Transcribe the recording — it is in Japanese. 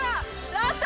ラスト！